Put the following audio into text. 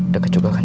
deket juga kan